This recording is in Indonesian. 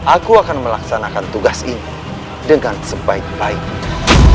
aku akan melaksanakan tugas ini dengan sebaik baiknya